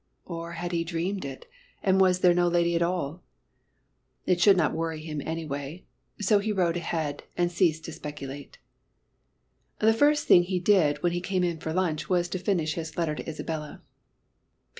Or had he dreamed it and was there no lady at all? It should not worry him anyway so he rowed ahead, and ceased to speculate. The first thing he did when he came in for lunch was to finish his letter to Isabella.